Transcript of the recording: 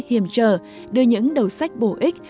hiểm trở đưa những đầu sách bổ ích